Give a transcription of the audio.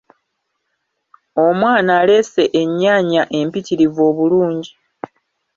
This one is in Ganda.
Omwana aleese ennyaanya empirtirivu obulungi.